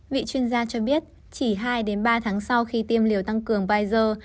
vị chuyên gia cho biết chỉ hai đến ba tháng sau khi tiêm liều tăng cường pfizer